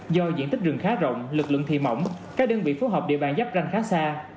do diện tích rừng khá rộng lực lượng thì mỏng các đơn vị phối hợp địa bàn giáp ranh khá xa